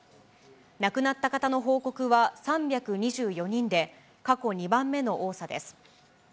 亡くなった方の報告は３２４人で、過去２番目の多さです。